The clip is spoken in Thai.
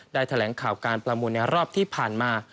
แถลงข่าวการประมูลในรอบที่ผ่านมา